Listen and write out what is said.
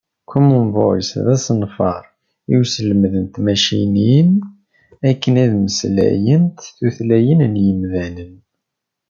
Common Voice d asenfar i uselmed n tmacinin akken ad mmeslayent tutlayin n yimdanen.